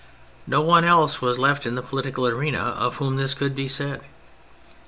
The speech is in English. No one else was left in the political arena of whom this could be said.